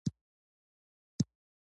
چي دهقان ته په لاس ورنه سي تارونه